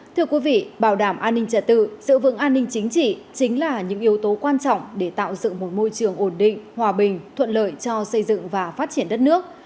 thưa quý vị bảo đảm an ninh trật tự sự vững an ninh chính trị chính là những yếu tố quan trọng để tạo dựng một môi trường ổn định hòa bình thuận lợi cho xây dựng và phát triển đất nước